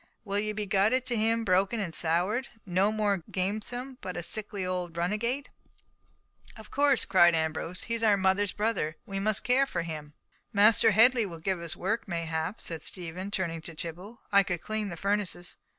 Will ye be guided to him, broken and soured—no more gamesome, but a sickly old runagate?" "Of course," cried Ambrose. "He is our mother's brother. We must care for him." "Master Headley will give us work, mayhap," said Stephen, turning to Tibble. "I could clean the furnaces."